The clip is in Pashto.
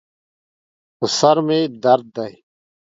په سر مې درد دی